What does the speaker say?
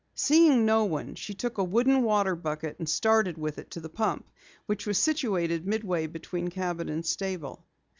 Seeing no one, she took a wooden water bucket and started with it to the pump which was situated midway between cabin and stable.